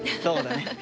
そうだね。